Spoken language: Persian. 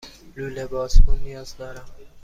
لوله بازکن نیاز دارم.